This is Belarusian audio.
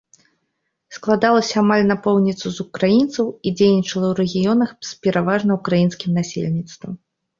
Складалася амаль напоўніцу з украінцаў і дзейнічала ў рэгіёнах з пераважна ўкраінскім насельніцтвам.